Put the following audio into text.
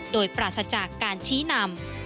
โดยปราศจากการชี้นำ